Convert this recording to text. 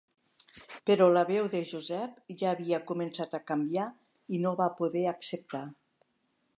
Però la veu de Josep ja havia començat a canviar i no va poder acceptar.